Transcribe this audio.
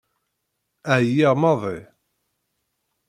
Ԑyiɣ maḍi.